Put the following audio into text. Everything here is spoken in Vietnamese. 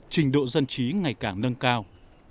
trình độ dân trí ngày càng nâng cao